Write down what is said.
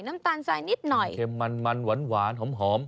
น้ำตาลสายนิดหน่อยเค็มมันมันหวานหอม